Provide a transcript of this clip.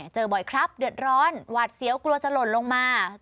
เจอบ่อยครับเดือดร้อนหวาดเสียวกลัวจะหล่นลงมา